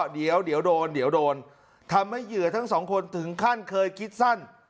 เดี๋ยวโดนเดี๋ยวโดนทำให้เหยื่อทั้งสองคนถึงขั้นเคยคิดสั้น